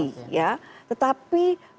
tetapi banyak yang menandakan wawancara